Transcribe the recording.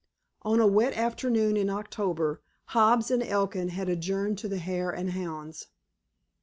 On a wet afternoon in October Hobbs and Elkin had adjourned to the Hare and Hounds.